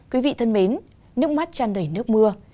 quý vị thân mến nước mắt tràn đầy nước mưa